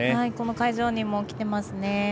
会場にも来ていますね。